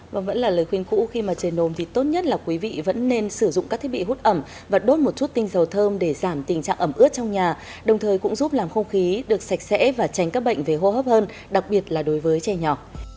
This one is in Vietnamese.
và vẫn là lời khuyên cũ khi mà chơi nồm thì tốt nhất là quý vị vẫn nên sử dụng các thiết bị hút ẩm và đốt một chút tinh dầu thơm để giảm tình trạng ẩm ướt trong nhà đồng thời cũng giúp làm không khí được sạch sẽ và tránh các bệnh về hô hấp hơn đặc biệt là đối với trẻ nhỏ